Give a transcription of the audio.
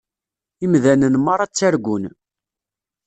Imdanen meṛṛa ttargun.